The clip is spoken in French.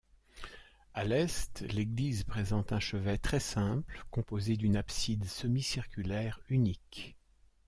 À l'est, l'église présente un chevet très simple composé d'une abside semi-circulaire unique.